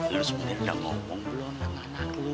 lu sebenernya udah ngomong belum sama anak lu